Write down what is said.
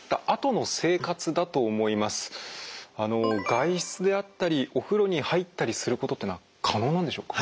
外出であったりお風呂に入ったりすることっていうのは可能なんでしょうか？